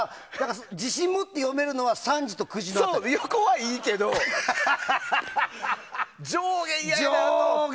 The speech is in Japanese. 自信を持って読めるのは横はいいけど、上下嫌やな。